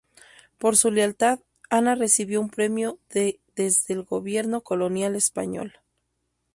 Por su lealtad, Anna recibió un premio de desde el gobierno colonial español.